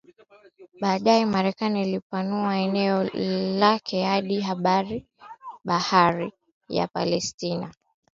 Baadaye Marekani ilipanua eneo lake hadi bahari ya Pasifiki ikatwaa ardhi